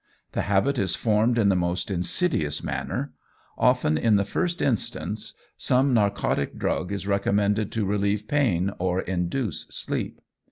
The habit is formed in the most insidious manner. Often, in the first instance, some narcotic drug is recommended to relieve pain or induce sleep.